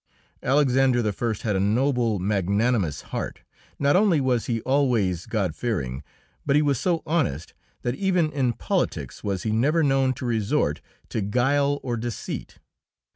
Alexander I. had a noble, magnanimous heart; not only was he always God fearing, but he was so honest that even in politics was he never known to resort to guile or deceit.